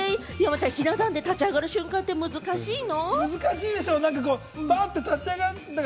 ひな壇で山ちゃん、立ち上がる時って難しいの？